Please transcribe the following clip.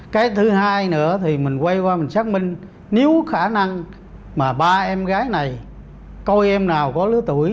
cái thứ hai nữa thì mình quay qua mình xác minh nếu khả năng mà ba em gái này coi em nào có lứa tuổi